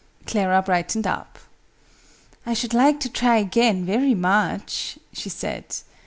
Clara brightened up. "I should like to try again, very much," she said.